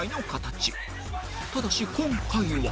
ただし今回は